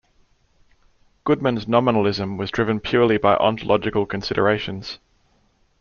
Goodman's nominalism was driven purely by ontological considerations.